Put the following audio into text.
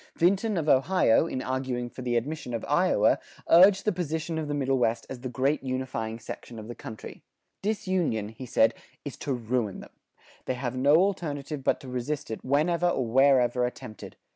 Vinton of Ohio, in arguing for the admission of Iowa, urged the position of the Middle West as the great unifying section of the country: "Disunion," he said, "is ruin to them. They have no alternative but to resist it whenever or wherever attempted.